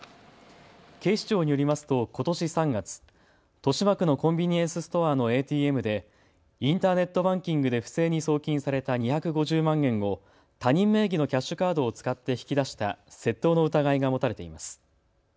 警視庁によりますとことし３月、豊島区のコンビニエンスストアのＡＴＭでインターネットバンキングで不正に送金された２５０万円を他人名義のキャッシュカードを使って引き出した窃盗の疑いが持たれています。